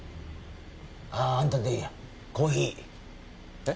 あああんたでいいやコーヒーえっ？